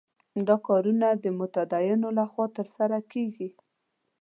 دا کارونه د متدینو له خوا ترسره کېږي.